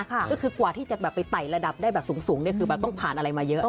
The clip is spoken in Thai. ก็คือกว่าที่จะแบบไปไต่ระดับได้แบบสูงเนี่ยคือแบบต้องผ่านอะไรมาเยอะ